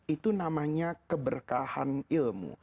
itu namanya keberkahan ilmu